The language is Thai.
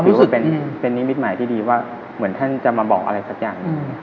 ผมคิดว่าเป็นมิตรหมายที่ดีว่าเหมือนท่านจะมาบอกอะไรสักอย่าง